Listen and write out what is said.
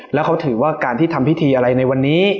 แล้วเขาถือว่าการที่ทำพิธีอะไรในวันนี้